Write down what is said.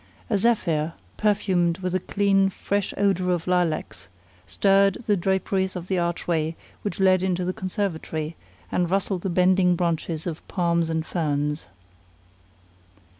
A zephyr, perfumed with the clean, fresh odor of lilacs, stirred the draperies of the archway which led into the conservatory and rustled the bending branches of palms and ferns.